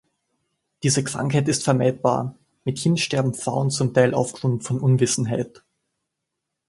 Diese Krankheit ist vermeidbar, mithin sterben Frauen zum Teil aufgrund von Unwissenheit.